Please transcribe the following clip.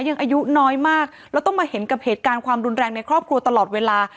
อายุน้อยมากแล้วต้องมาเห็นกับเหตุการณ์ความรุนแรงในครอบครัวตลอดเวลา